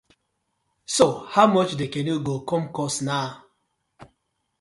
So how much the canoe go com cost naw?